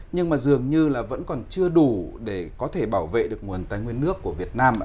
nhưng mà dường như là vẫn còn chưa đủ để có thể bảo vệ được nguồn tài nguyên nước của việt nam